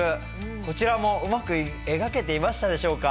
こちらもうまく描けていましたでしょうか？